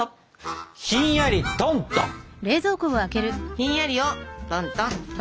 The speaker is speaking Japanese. ひんやりをトントン。